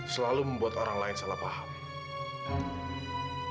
selalu membuat orang lain salah paham